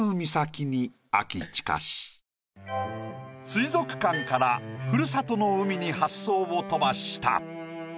水族館から故郷の海に発想を飛ばした。